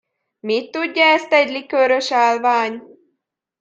Mit tudja ezt egy likőrösállvány?